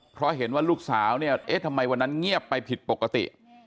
เพราะเห็นว่าลูกสาวเนี่ยเอ๊ะทำไมวันนั้นเงียบไปผิดปกติ